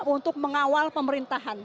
untuk mengawal pemerintahan